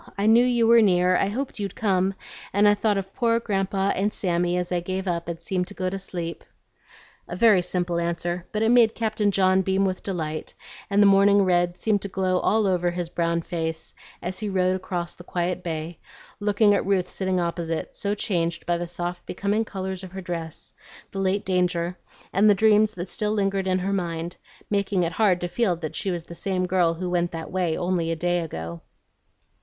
I knew you were near, I hoped you'd come, and I thought of poor Grandpa and Sammy as I gave up and seemed to go to sleep." A very simple answer, but it made Captain John beam with delight; and the morning red seemed to glow all over his brown face as he rowed across the quiet bay, looking at Ruth sitting opposite, so changed by the soft becoming colors of her dress, the late danger, and the dreams that still lingered in her mind, making it hard to feel that she was the same girl who went that way only a day ago.